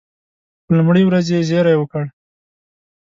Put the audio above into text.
په لومړۍ ورځ یې زېری وکړ.